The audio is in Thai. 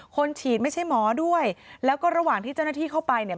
คนฉีดไม่ใช่หมอด้วยแล้วก็ระหว่างที่เจ้าหน้าที่เข้าไปเนี่ย